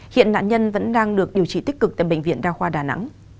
hiện nạn nhân vẫn đang được điều trị tích cực tại bệnh viện đa khoa đà nẵng